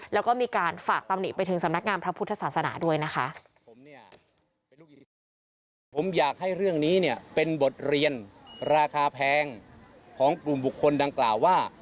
แล้วก็มีการฝากตำหนิไปถึงสำนักงานพระพุทธศาสนาด้วยนะคะ